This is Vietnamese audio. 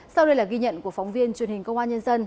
sau đây là ghi nhận của phóng viên truyền hình công an nhân dân